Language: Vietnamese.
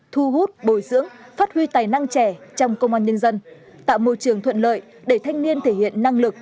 thu hút bồi dưỡng phát huy tài năng trẻ trong công an nhân dân tạo môi trường thuận lợi để thanh niên thể hiện năng lực